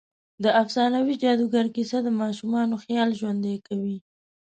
د افسانوي جادوګر کیسه د ماشومانو خيال ژوندۍ کوي.